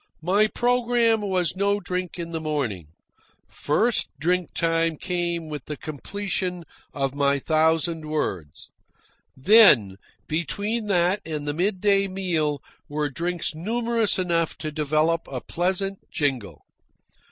My programme was no drink in the morning; first drink time came with the completion of my thousand words. Then, between that and the midday meal, were drinks numerous enough to develop a pleasant jingle.